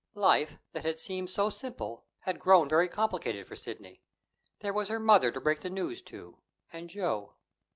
Life, that had seemed so simple, had grown very complicated for Sidney. There was her mother to break the news to, and Joe.